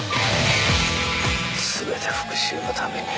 「全て復讐のために」